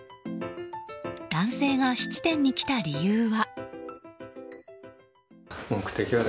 男性が質店に来た理由は。